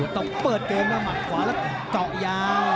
ต้องเปิดเกมนะหมัดขวาแล้วเจาะยาว